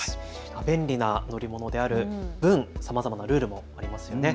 便利な乗り物である分、さまざまなルールもありますよね。